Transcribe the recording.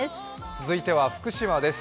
続いては福島です。